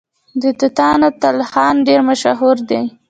د توتانو تلخان ډیر مشهور دی.